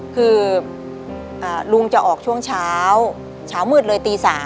คือลุงจะออกช่วงเช้าเช้ามืดเลยตี๓